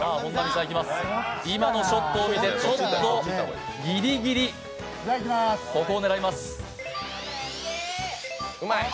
今のショットを見て、ちょっとギリギリ、ここを狙います。